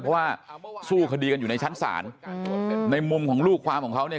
เพราะว่าสู้คดีกันอยู่ในชั้นศาลในมุมของลูกความของเขาเนี่ย